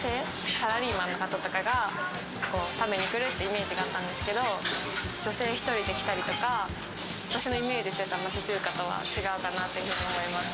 サラリーマンの方とかが食べに来るっていうイメージがあったんですけど、女性１人で来たりとか、私のイメージしてた町中華とは違うかなって思います。